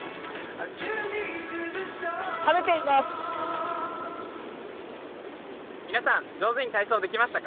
食べています。